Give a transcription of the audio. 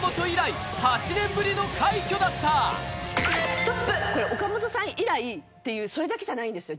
巨人のこれ岡本さん以来っていうそれだけじゃないんですよ